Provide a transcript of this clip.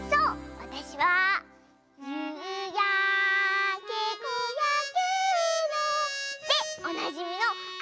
わたしは「ゆうやけこやけの」でおなじみのあかとんぼよ！